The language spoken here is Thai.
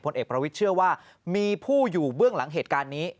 เอกประวิทย์เชื่อว่ามีผู้อยู่เบื้องหลังเหตุการณ์นี้